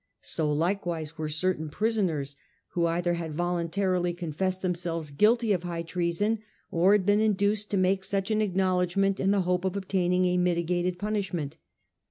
So likewise were cer tain prisoners who either had voluntarily confessed themselves guilty of high treason, or had been induced to make such an acknowledgment in the hope of obtaining a mitigated punishment.